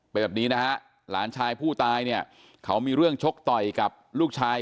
เป็นแบบนี้นะฮะหลานชายผู้ตายเนี่ยเขามีเรื่องชกต่อยกับลูกชาย